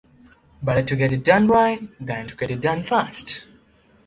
Better to get it done right than to get it done fast.